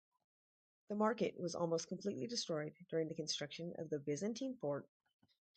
The market was almost completely destroyed during the construction of the Byzantine fort.